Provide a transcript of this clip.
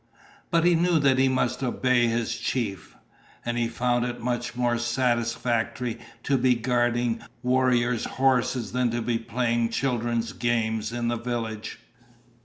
But he knew that he must obey his chief. And he found it much more satisfactory to be guarding warriors' horses than to be playing children's games in the village.